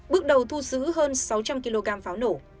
bước đầu thu giữ hơn sáu trăm linh kg pháo nổ